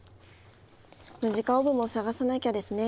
ムジカオーブもさがさなきゃですね。